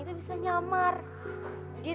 jika ada apa apa